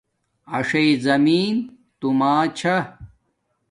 اݽݵ زمین توما چھا